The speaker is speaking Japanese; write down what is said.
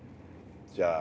じゃああ